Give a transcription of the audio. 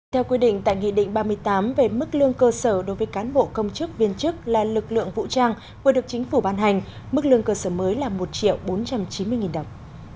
theo quy định tại nghị định ba mươi tám về mức lương cơ sở đối với cán bộ công chức viên chức là lực lượng vũ trang vừa được chính phủ ban hành mức lương cơ sở mới là một bốn trăm chín mươi đồng